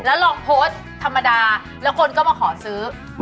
แล้วลองโพสต์ธรรมดาแล้วคนก็มาขอซื้อ